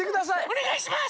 おねがいします！